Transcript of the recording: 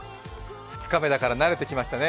２日目だから慣れてきましたね。